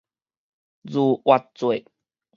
逾越節